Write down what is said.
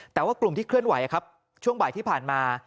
แต่ว่ากลุ่มที่เคลื่อนไหวครับช่วงบ่ายที่ผ่านมา